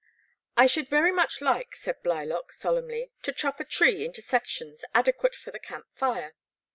I should very much like," said Blylock sol emnly, to chop a tree into sections adequate for the camp fire."